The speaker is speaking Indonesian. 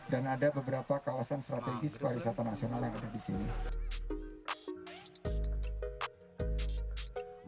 ada beberapa kawasan strategis pariwisata nasional yang ada di sini